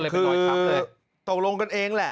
คือตกลงกันเอง